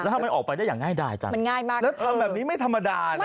ถ้ามันออกไปได้อย่างง่ายดายจังมันง่ายมากแล้วทำแบบนี้ไม่ธรรมดานะ